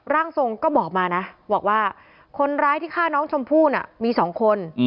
ร่างทรงก็บอกมานะบอกว่าคนร้ายที่ฆ่าน้องชมพู่มี๒คน